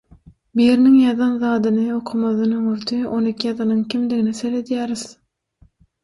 biriniň ýazan zadyny okamazdan öňürrti ony ýazanyň kimdigine seredýäris.